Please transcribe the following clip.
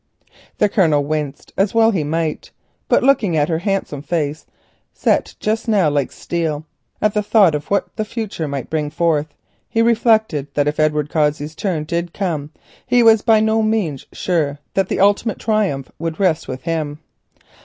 The Colonel winced, as well he might, but looking at her handsome face, set just now like steel at the thought of what the future might bring forth, he reflected that if Edward Cossey's turn did come he was by no means sure that the ultimate triumph would rest with him.